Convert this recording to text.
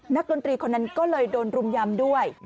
ดนตรีคนนั้นก็เลยโดนรุมยำด้วย